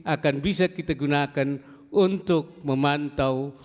akan bisa kita gunakan untuk memantau